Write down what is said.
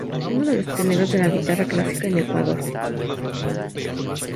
Uno de los pioneros de la guitarra clásica en Ecuador.